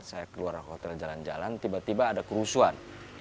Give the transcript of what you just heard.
saya keluar hotel jalan jalan tiba tiba ada kerusuhan